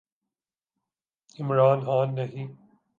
عمران خان نہیں۔